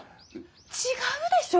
違うでしょ！